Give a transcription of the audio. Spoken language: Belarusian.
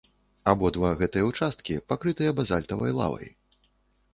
Абодва гэтыя ўчасткі пакрытыя базальтавай лавай.